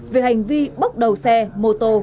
về hành vi bốc đầu xe mô tô